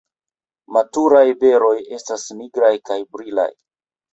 Maturaj beroj estas nigraj kaj brilaj.